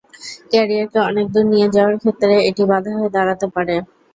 ক্যারিয়ারকে অনেক দূর নিয়ে যাওয়ার ক্ষেত্রে এটি বাধা হয়ে দাঁড়াতে পারে।